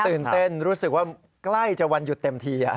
ตื่นเต้นรู้สึกว่าใกล้จะวันหยุดเต็มที